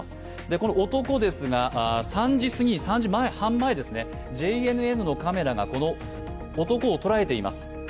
この男ですが、３時半前、ＪＮＮのカメラがこの男を捉えています。